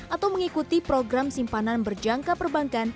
atau mengikuti program simpanan berjangka perbankan